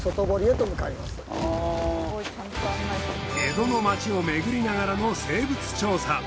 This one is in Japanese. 江戸の町を巡りながらの生物調査。